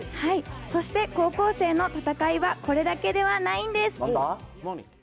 そして高校生の戦いは、これだけではないんです。